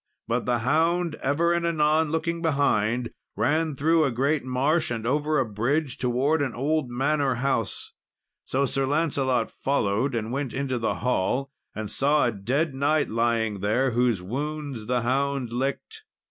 But the hound, ever and anon looking behind, ran through a great marsh, and over a bridge, towards an old manor house. So Sir Lancelot followed, and went into the hall, and saw a dead knight lying there, whose wounds the hound licked.